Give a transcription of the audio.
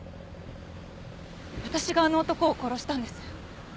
私があの男を殺したんです。